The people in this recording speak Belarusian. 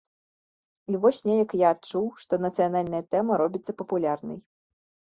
І вось неяк я адчуў, што нацыянальная тэма робіцца папулярнай.